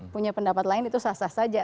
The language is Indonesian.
punya pendapat lain itu sah sah saja